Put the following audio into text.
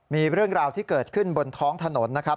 มีเรื่องราวที่เกิดขึ้นบนท้องถนนนะครับ